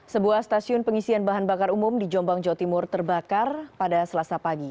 sebuah stasiun pengisian bahan bakar umum di jombang jawa timur terbakar pada selasa pagi